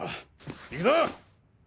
行くぞ。